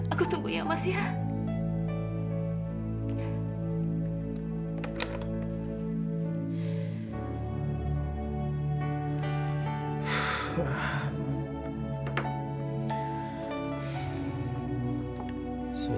aku tunggu ya mas ya